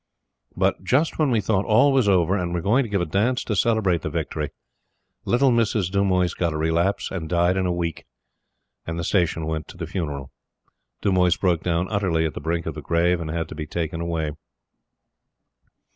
But, just when we thought all was over, and were going to give a dance to celebrate the victory, little Mrs. Dumoise got a relapse and died in a week and the Station went to the funeral. Dumoise broke down utterly at the brink of the grave, and had to be taken away.